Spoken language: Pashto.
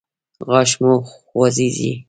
غاښ مو خوځیږي؟